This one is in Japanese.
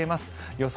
予想